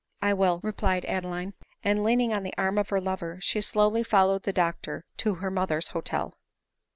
" I will," replied Adeline : and leaning on the arm of her lover, she slowly followed the doctor to her moth er's hotel.